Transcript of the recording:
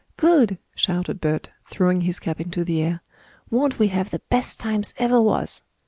"Good!" shouted Bert, throwing his cap into the air. "Won't we have the best times ever was!"